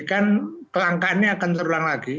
jadi kan kelangkaannya akan terulang lagi